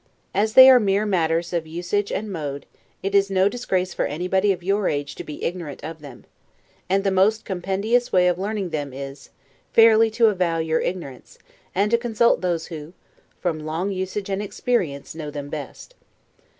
As they are mere matters of usage and mode, it is no disgrace for anybody of your age to be ignorant of them; and the most compendious way of learning them is, fairly to avow your ignorance, and to consult those who, from long usage and experience, know them best.